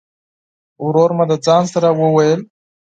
ورور مي د ځان سره وویل !